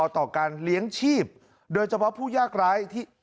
ต่อการเลี้ยงชีพโดยเฉพาะผู้ยากร้ายที่